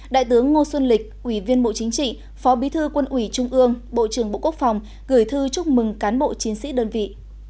đại tướng ngô xuân lịch ủy viên bộ chính trị phó bí thư quân ủy trung ương bộ trưởng bộ quốc phòng gửi thư chúc mừng cán bộ chiến sĩ đơn vị